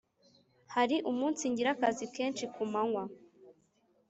Hari umunsi ngira akazi kenshi ku manywa